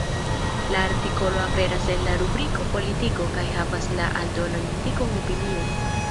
La artikolo aperas en la rubriko “Politiko” kaj havas la aldonan indikon “Opinio”.